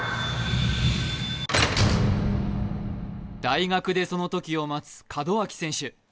大学でそのときを待つ門脇選手。